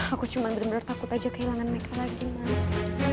aku cuma bener bener takut aja kehilangan mereka lagi mas